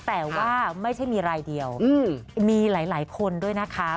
แต่ว่าไม่ใช่มีรายเดียวมีหลายคนด้วยนะคะ